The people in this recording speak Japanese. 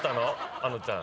あのちゃん。